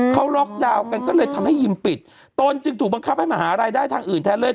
เขาล็อกดาวน์กันก็เลยทำให้ยิมปิดตนจึงถูกบังคับให้มาหารายได้ทางอื่นแทนเลย